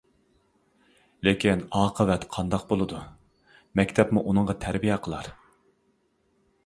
لېكىن ئاقىۋەت قانداق بولىدۇ؟ مەكتەپمۇ ئۇنىڭغا تەربىيە قىلار.